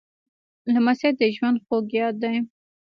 لمسی د ژوند خوږ یاد دی.